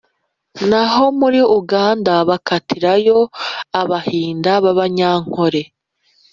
naho muri Uganda bakatirayo Abahinda bAbanyankole